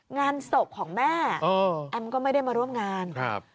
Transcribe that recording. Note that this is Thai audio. งานศพของแม่แอมก็ไม่ได้มาร่วมงานครับ